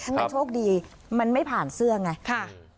ทั้งกันโชคดีมันไม่ผ่านเสื่อไง